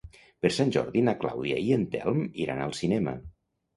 Per Sant Jordi na Clàudia i en Telm iran al cinema.